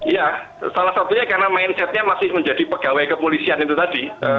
ya salah satunya karena mindsetnya masih menjadi pegawai kepolisian itu tadi